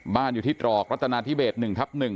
บ้านอยู่ที่ตรอกรัฐนาธิเบส๑ทับ๑